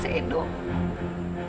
saya ingin anak saya bebas kamilah